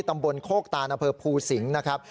ตำบลโครกตานเผอปูศิงส์